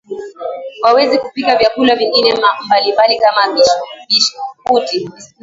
Waweza kupika vyakula vingine mbalimbali kama biskuti